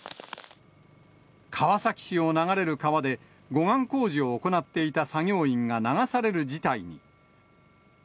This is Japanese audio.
川崎市を流れる川で、護岸工事を行っていた作業員が流される事態に。